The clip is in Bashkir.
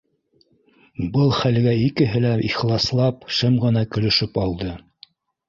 Был хәлгә икеһе лә ихласлап шым ғына көлөшөп алды